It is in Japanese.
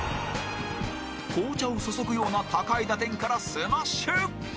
紅茶を注ぐような高い打点からスマッシュ！